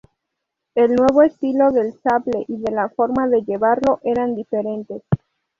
El nuevo estilo del sable y de la forma de llevarlo eran diferentes.